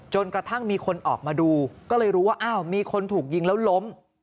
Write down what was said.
กระทั่งมีคนออกมาดูก็เลยรู้ว่าอ้าวมีคนถูกยิงแล้วล้ม